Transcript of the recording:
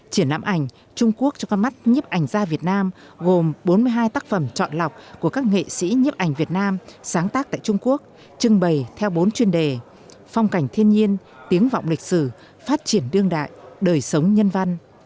triển lãm ảnh trung quốc cho các mắt nhấp ảnh gia việt nam gồm bốn mươi hai tác phẩm chọn lọc của các nghệ sĩ nhiếp ảnh việt nam sáng tác tại trung quốc trưng bày theo bốn chuyên đề phong cảnh thiên nhiên tiếng vọng lịch sử phát triển đương đại đời sống nhân văn